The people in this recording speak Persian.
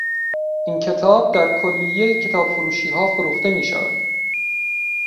این کتاب در کلیهی کتابفروشیها فروخته میشود.